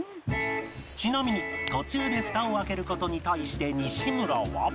ちなみに途中で蓋を開ける事に対して西村は